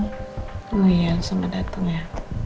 oh lumayan sama datang ya